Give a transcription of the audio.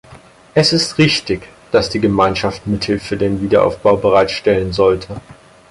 Es ist richtig, dass die Gemeinschaft Mittel für den Wiederaufbau bereitstellen sollte.